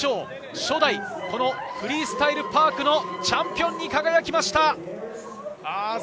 初代フリースタイル・パークのチャンピオンに輝きました。